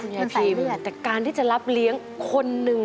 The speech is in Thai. คุณยายพิมพ์แต่การที่จะรับเลี้ยงคนหนึ่ง